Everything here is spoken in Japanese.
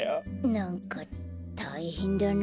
なんかたいへんだなあ。